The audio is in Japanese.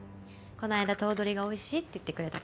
この間頭取が美味しいって言ってくれたから。